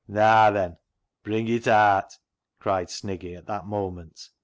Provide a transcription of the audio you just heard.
" Naa then, bring it aat," cried Sniggy at that moment.